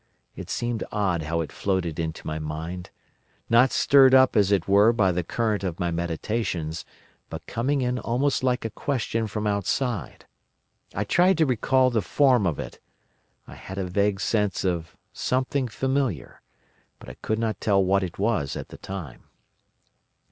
It seemed odd how it floated into my mind: not stirred up as it were by the current of my meditations, but coming in almost like a question from outside. I tried to recall the form of it. I had a vague sense of something familiar, but I could not tell what it was at the time.